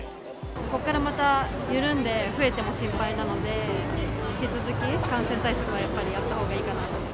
ここからまた緩んで、増えても心配なので、引き続き感染対策はやっぱりやったほうがいいかなと。